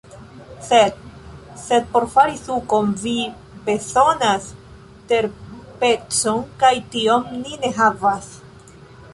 Sed... sed por fari sukon vi bezonas terpecon kaj tion ni ne havas